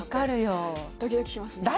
ドキドキしますね。